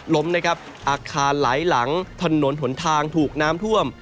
ลมอักคารหลายหลังถนนหนทางถูกน้ำท่วม